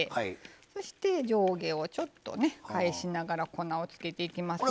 そして、上下を返しながら粉をつけていきますよ。